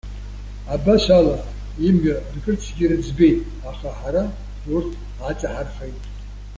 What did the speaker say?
Абас ала, имҩа ркырцгьы рыӡбеит, аха ҳара, урҭ аҵаҳархеит.